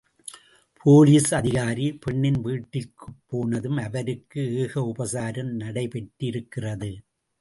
Police அதிகாரி பெண்ணின் வீட்டிற்குப் போனதும் அவருக்கு ஏக உபசாரம் நடைபெற்றிருக்கிறது.